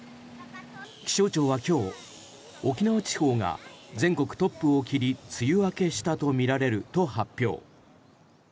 気象庁は今日、沖縄地方が全国トップを切り梅雨明けしたとみられると発表。